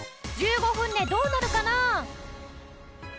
１５分でどうなるかな？